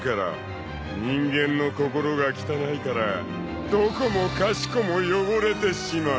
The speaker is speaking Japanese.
［人間の心が汚いからどこもかしこも汚れてしまう］